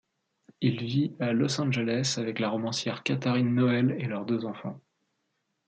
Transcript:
Il vit à Los Angeles avec la romancière Katharine Noel et leurs deux enfants.